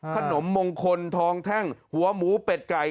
ขนมมงคลทองแท่งหัวหมูเป็ดไก่